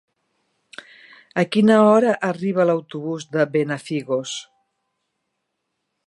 A quina hora arriba l'autobús de Benafigos?